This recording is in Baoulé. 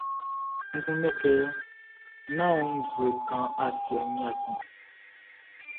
N kunndɛ kɛ ń nɔ́n nzue kan siɛnʼn, yaki.